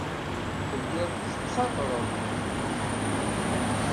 Telliḍ tettadreḍ-d.